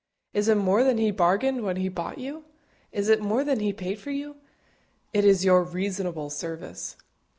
Is it more than He bargained for when He bought you? Is it more than He paid for? It is "your reasonable service."